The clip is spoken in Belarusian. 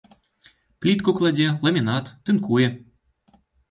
Плітку кладзе, ламінат, тынкуе.